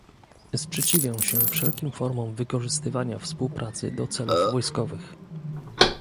Sprzeciwiam się wszelkim formom wykorzystywania współpracy do celów wojskowych